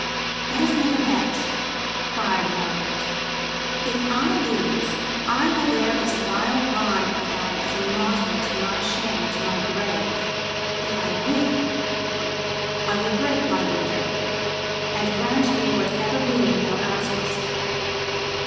"Let us make a bet," cried Margaret: "if I lose, I will bear this vile rhyme of thine as a motto to my shame to my grave; if I win ""I will break my window, and grant thee whatever boon thou askest."